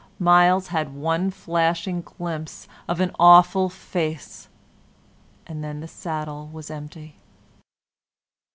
Myles had one flashing glimpse of an awful face, and then the saddle was empty.